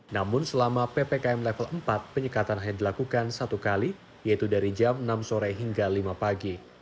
namun selama ppkm level empat penyekatan hanya dilakukan satu kali yaitu dari jam enam sore hingga lima pagi